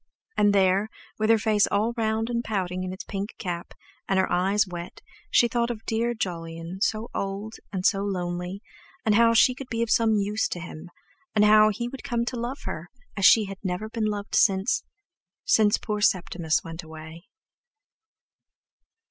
And there, with her face all round and pouting in its pink cap, and her eyes wet, she thought of "dear Jolyon," so old and so lonely, and how she could be of some use to him; and how he would come to love her, as she had never been loved since—since poor Septimus went away.